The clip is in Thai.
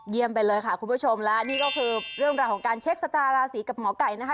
ไปเลยค่ะคุณผู้ชมและนี่ก็คือเรื่องราวของการเช็คสตาร์ราศีกับหมอไก่นะคะ